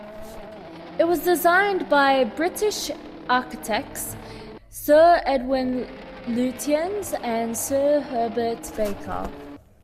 It was designed by British architects, Sir Edwin Lutyens and Sir Herbert Baker.